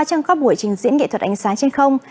trong các buổi chỉnh diện nghệ thuật ánh sáng trên không